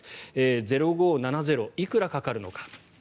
０５７０、いくらかかるのか。